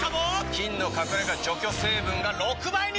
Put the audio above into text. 菌の隠れ家除去成分が６倍に！